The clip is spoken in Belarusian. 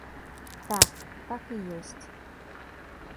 Так, так і ёсць.